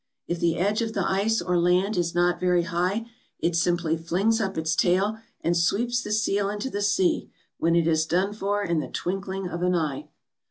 If the edge of the ice, or land, is not very high, it simply flings up its tail and sweeps the seal into the sea, where it is done for in the twinkling of an eye."